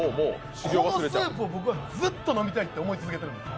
このスープを僕はずっと飲み続けたいと思い続けているんです。